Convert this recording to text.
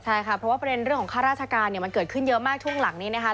ใช่ครับเพราะว่าประเด็นเรื่องของข้าราชการมันเกิดขึ้นเยอะมากทุ่งหลังนี้นะครับ